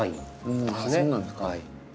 そうなんですか。